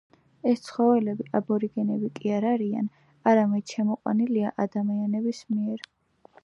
ეს ცხოველები აბორიგენები კი არ არიან, არამედ შემოყვანილია ადამიანების მიერ.